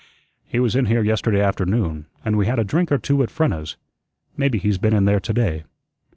"He was in here yesterday afternoon, and we had a drink or two at Frenna's. Maybe he's been in there to day."